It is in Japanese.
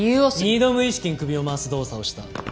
二度無意識に首を回す動作をした。